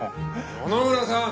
野々村さん！